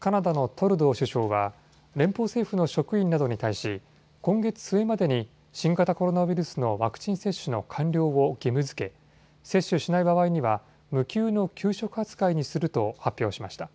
カナダのトルドー首相は連邦政府の職員などに対し今月末までに新型コロナウイルスのワクチン接種の完了を義務づけ接種しない場合には無給の休職扱いにすると発表しました。